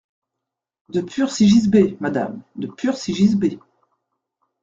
De purs sigisbées, madame, de purs sigisbées.